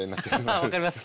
ああ分かります。